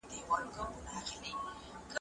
صبر د هرې سختۍ او مشقت لپاره غوره درمل دی.